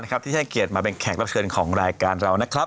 ที่ให้เกียรติมาเป็นแขกรับเชิญของรายการเรานะครับ